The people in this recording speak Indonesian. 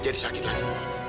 jadi sakit lagi